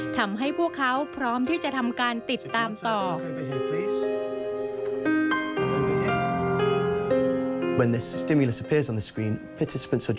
ทำให้พวกเขาพร้อมที่จะทำการติดตามต่อ